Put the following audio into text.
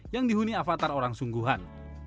yang dihuni avatar orang sungguhan